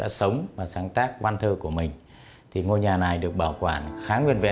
nơi đây là cụ đã sống và sáng tác văn thơ của mình thì ngôi nhà này được bảo quản khá nguyên vẹn